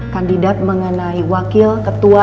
kandidat mengenai wakil ketua